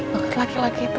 aku takut banget laki laki itu